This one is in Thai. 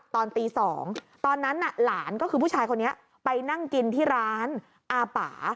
ตอนตี๒ตอนนั้นน่ะหลานก็คือผู้ชายคนนี้ไปนั่งกินที่ร้านอาป่า